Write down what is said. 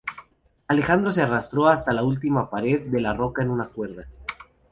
Alejandro se arrastró hasta la última pared de la roca en una cuerda.